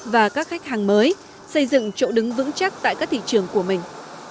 và các khách hàng mới xây dựng chỗ đứng vững chắc tại các thị trường của mình